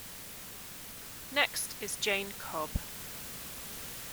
Next is Jayne Cobb.